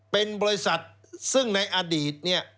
เป็นบริษัทซึ่งในอดีต